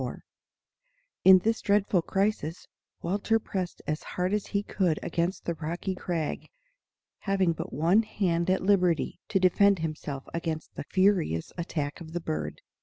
"] In this dreadful crisis, Walter pressed as hard as he could against the rocky crag, having but one hand at liberty to defend himself against the furious attack of the bird.